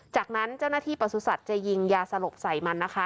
จากนั้นเจ้าหน้าที่ประสุทธิ์จะยิงยาสลบใส่มันนะคะ